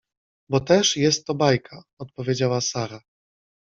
— Bo też jest to bajka — odpowiedziała Sara.